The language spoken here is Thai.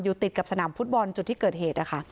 ติดกับสนามฟุตบอลจุดที่เกิดเหตุ